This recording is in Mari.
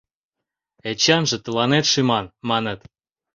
— Эчанже тыланет шӱман, маныт.